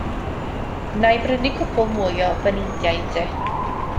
Wna i brynu cwpwl mwy o baneidiau i ti.